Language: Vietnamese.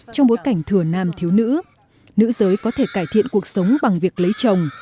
trong bối cảnh thừa nam thiếu nữ nữ giới có thể cải thiện cuộc sống bằng việc lấy chồng